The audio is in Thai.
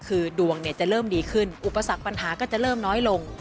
คือดวงจะเริ่มดีขึ้นอุปสรรคปัญหาก็จะเริ่มน้อยลง